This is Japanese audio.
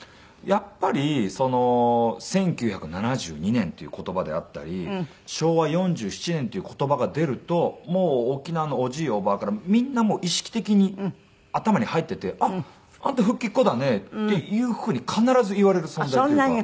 やっぱり１９７２年っていう言葉であったり昭和４７年っていう言葉が出るともう沖縄のおじいおばあからみんな意識的に頭に入っていて「あっあんた復帰っ子だね」っていうふうに必ず言われる存在というか。